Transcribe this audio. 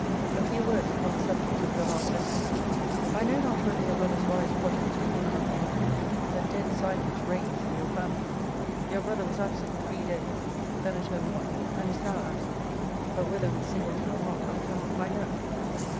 A few words upon the subject of your last letters. I know not whether your brother's wise project be given up or not. A dead silence reigns in your family. Your brother was absent three days; then at home one; and is now absent: but whether with Singleton, or not, I cannot find out.